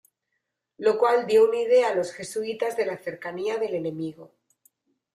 Lo cual dio una idea a los jesuitas de la cercanía del enemigo.